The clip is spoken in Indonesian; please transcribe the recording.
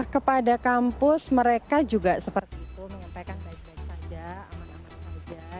kepada kampus mereka juga seperti itu menyampaikan baik baik saja aman aman saja